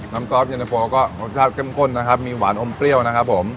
ซอสเย็นตะโฟก็รสชาติเข้มข้นนะครับมีหวานอมเปรี้ยวนะครับผม